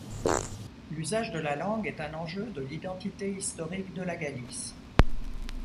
L'usage de la langue est un enjeu de l'identité historique de la Galice.